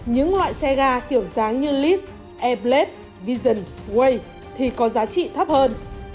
những loại xe ga kiểu dáng như leaf airblade vision way thì có giá trị thấp hơn